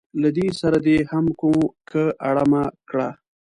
له ده سره دې هم که اړمه کړه.